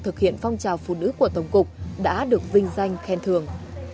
chào phụ nữ của tổng cục đã được vinh danh khen thường